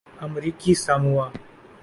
امریکی ساموآ